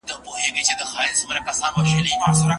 استاد له کلونو راهیسې محصلینو ته لارښوونه کړې ده.